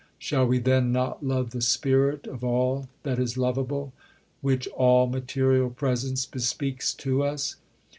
Shall we then not love the spirit of all that is loveable, which all material presence bespeaks to us?...